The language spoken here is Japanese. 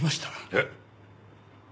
えっ！